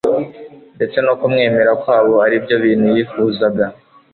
ndetse no kumwemera kwabo ari byo bintu yifuzaga